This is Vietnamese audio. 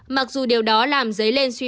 mặc dù điều đó làm giấy lên suy